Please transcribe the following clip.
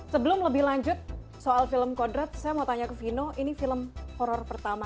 sebelum lebih lanjut soal film kodrat saya mau tanya ke vino ini film horror pertama